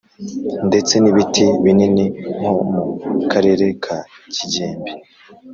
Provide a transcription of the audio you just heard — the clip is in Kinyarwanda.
ndetse n ibiti binini nko mu karere ka Kigembe